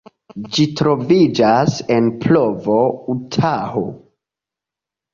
Ĝi troviĝas en Provo, Utaho.